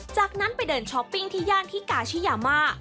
จากนั้นไปเดินช้อปปิ้งที่ย่านที่กาชิยามา